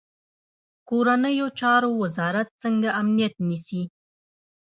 کورنیو چارو وزارت څنګه امنیت نیسي؟